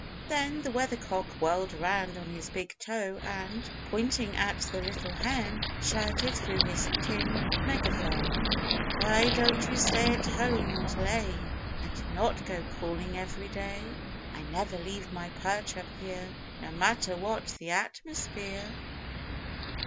Then the Weathercock whirled around on his big toe and, pointing at the little hen, shouted through his tin megaphone: "Why don't you stay at home and lay, And not go calling every day? I never leave my perch up here No matter what the atmosphere."